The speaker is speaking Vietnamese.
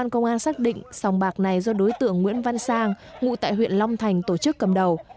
công an xác định sòng bạc này do đối tượng nguyễn văn sang ngụ tại huyện long thành tổ chức cầm đầu